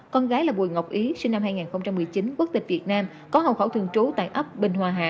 con gái là bùi ngọc ý sinh năm hai nghìn một mươi chín quốc tịch việt nam có hậu khẩu thường trú tại ấp bình hòa hạ